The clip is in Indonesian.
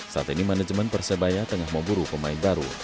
saat ini manajemen persebaya tengah memburu pemain baru